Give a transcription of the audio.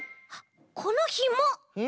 このひも！え？